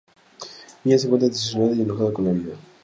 Mía se encuentra desilusionada y enojada con la vida.